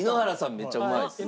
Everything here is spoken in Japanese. めっちゃうまいです。